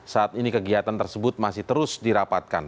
saat ini kegiatan tersebut masih terus dirapatkan